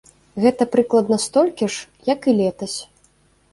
Гэта прыкладна столькі ж, як і летась.